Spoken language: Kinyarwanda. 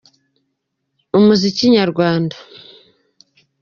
Umuziki nyarwanda.